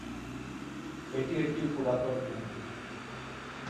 এটি একটি পুরাতন মন্দির।